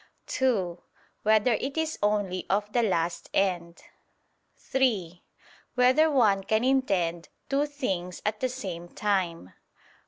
(2) Whether it is only of the last end? (3) Whether one can intend two things at the same time?